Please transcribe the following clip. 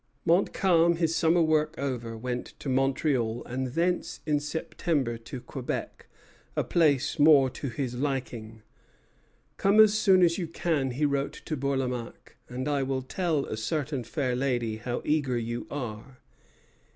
Montcalm, his summer work over, went to Montreal; and thence in September to Quebec, a place more to his liking. "Come as soon as you can," he wrote to Bourlamaque, "and I will tell a certain fair lady how eager you are."